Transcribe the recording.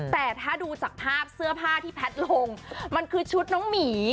แต่ถ้าดูจากภาพเสื้อผ้าที่แพทย์ลงมันคือชุดน้องหมี